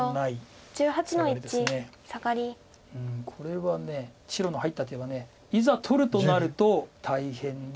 これは白の入った手はいざ取るとなると大変で。